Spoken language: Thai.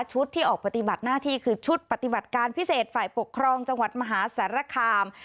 ที่ออกปฏิบัติหน้าที่คือชุดปฏิบัติการพิเศษฝ่ายปกครองจังหวัดมหาสารคาม